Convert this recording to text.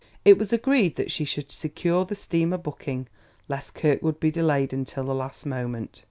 It was agreed that she should secure the steamer booking, lest Kirkwood be delayed until the last moment.